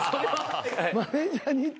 マネジャーに言って。